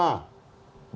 baik secara perusahaan